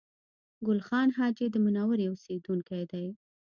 ګل خان حاجي د منورې اوسېدونکی دی